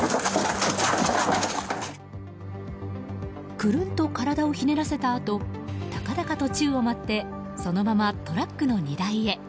くるんと体をひねらせたあと高々と宙を舞ってそのままトラックの荷台へ。